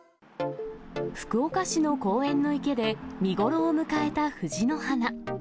福岡市の公園の池で、見頃を迎えた藤の花。